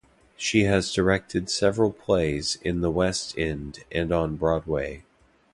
She has directed several plays in the West End and on Broadway.